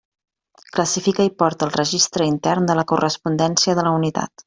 Classifica i porta el registre intern de la correspondència de la unitat.